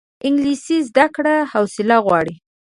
انګلیسي زده کړه حوصله غواړي